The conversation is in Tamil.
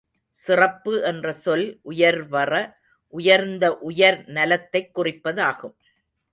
சிறப்பு என்ற சொல் உயர்வற உயர்ந்த உயர் நலத்தைக் குறிப்பதாகும்.